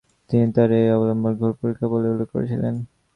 তিনি তাঁর এই অবস্থান ঘোর পরীক্ষা বলে উল্লেখ করেছিলেন-